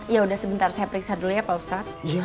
yaudah sebentar saya periksa dulu ya pak ustadz